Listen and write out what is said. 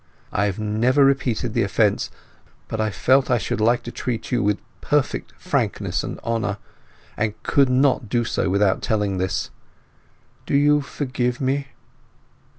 I have never repeated the offence. But I felt I should like to treat you with perfect frankness and honour, and I could not do so without telling this. Do you forgive me?"